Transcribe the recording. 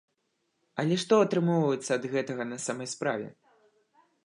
Але што атрымоўваецца ад гэтага на самай справе?